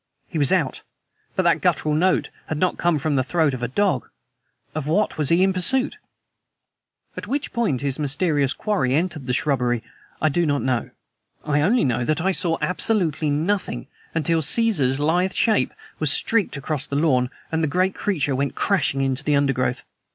He was out! But that guttural note had not come from the throat of a dog. Of what was he in pursuit? At which point his mysterious quarry entered the shrubbery I do not know. I only know that I saw absolutely nothing, until Caesar's lithe shape was streaked across the lawn, and the great creature went crashing into the undergrowth.